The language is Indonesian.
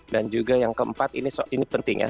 dan juga yang keempat ini penting ya